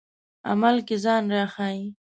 عمل کې ځان راښيي.